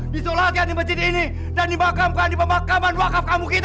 bapak kamu itu sambung pelit